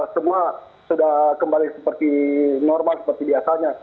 semua sudah kembali seperti normal seperti biasanya